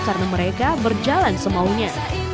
karena mereka berjalan semaunya